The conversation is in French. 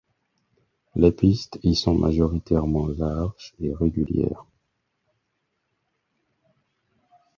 Les pistes y sont majoritairement larges et régulières.